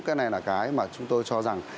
cái này là cái mà chúng tôi cho rằng